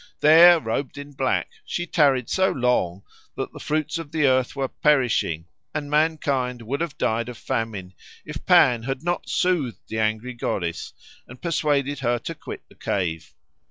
There, robed in black, she tarried so long that the fruits of the earth were perishing, and mankind would have died of famine if Pan had not soothed the angry goddess and persuaded her to quit the cave.